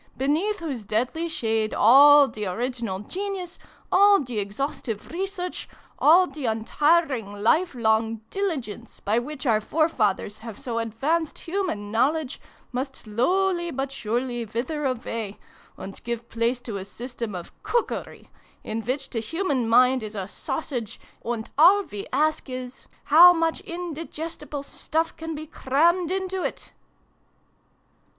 Beneath whose deadly shade all the original genius, all the exhaustive research, all the untiring life long diligence by which our fore fathers have so advanced human knowledge, must slowly but surely wither away, and give place to a sys tem of Cookery, in which the human mind is a sausage, and all we ask is, how much indigest ible stuff can be crammed into it